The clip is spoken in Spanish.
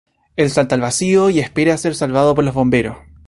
Él salta al vacío y espera ser salvado por los bomberos.